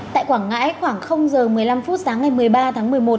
tại quảng ngãi khoảng giờ một mươi năm phút sáng ngày một mươi ba tháng một mươi một